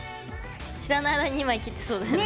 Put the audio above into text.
知らない間に２枚切ってそうだよね。